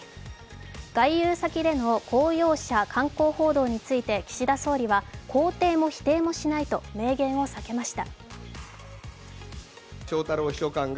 外遊先での公用車観光報道について岸田総理は肯定も否定もしないと明言を避けました。